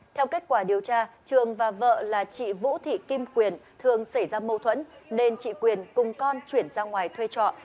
theo kết quả điều tra trường và vợ là chị vũ thị kim quyền thường xảy ra mâu thuẫn nên chị quyền cùng con chuyển ra ngoài thuê trọ